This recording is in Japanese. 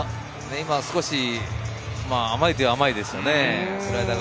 少し甘いといえば甘いですね。